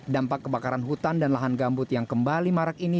dampak kebakaran hutan dan lahan gambut yang kembali marak ini